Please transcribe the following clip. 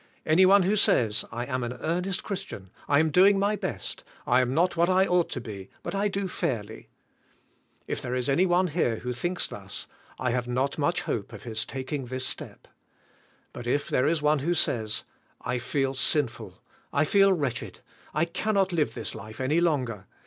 Any one who says, *'I am an earnest Christian, I am doing my best. I am not what I oug ht to be; but I do fairly." If there is any one here who thinks thus, I have not much hope of his taking this step. But if there is one who says, *'I feel sinful, I feel wretched, I cannot live this life any long er.